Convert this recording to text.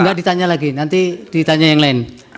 enggak ditanya lagi nanti ditanya yang lain